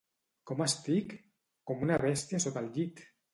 —Com estic? —Com una bèstia sota el llit!